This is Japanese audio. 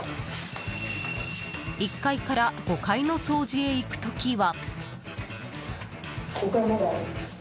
１階から５階の掃除へ行く時は。